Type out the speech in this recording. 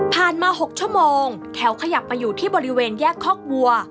ผ่านมาหกชั่วโมงแถวขยับมาอยู่ที่บริเวณแยกข้องกลุ่ม